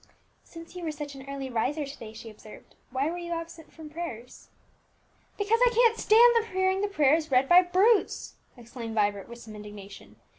"Since you were such an early riser to day," she observed, "why were you absent from prayers?" "Because I can't stand hearing the prayers read by Bruce!" exclaimed Vibert with some indignation.